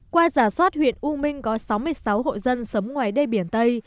qua giả soát huyện u minh có sáu mươi sáu hộ dân sống ngoài đê biển tây